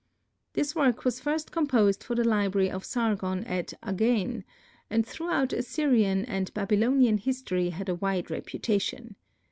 This work was first composed for the library of Sargon at Agane, and throughout Assyrian and Babylonian history had a wide reputation.